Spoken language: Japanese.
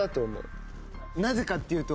なぜかっていうと。